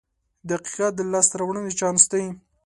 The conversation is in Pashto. • دقیقه د لاسته راوړنې چانس دی.